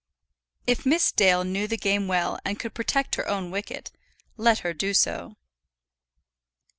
If Miss Dale knew the game well and could protect her own wicket, let her do so.